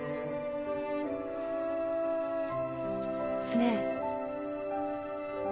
ねえ。